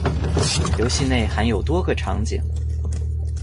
游戏内含有多个场景。